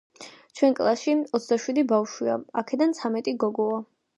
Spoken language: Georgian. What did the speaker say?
ჩვენ კლასში ოცდაშვიდი ბავშვია აქედან ცამეტი გოგოა